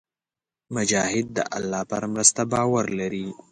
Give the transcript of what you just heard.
مجاهد د الله پر مرسته باور لري.